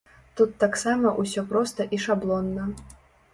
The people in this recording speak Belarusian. Тут таксама ўсё проста і шаблонна.